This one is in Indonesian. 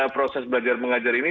proses belajar mengajar ini